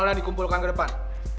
soalnya dikumpulkan ke depan